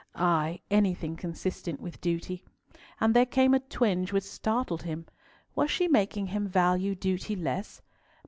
Ay, anything consistent with duty. And there came a twinge which startled him. Was she making him value duty less?